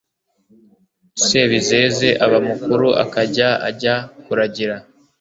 Sebizeze aba mukuru akajya ajya kuragira